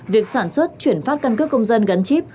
việc sản xuất chuyển pháp căn cước công dân gắn chip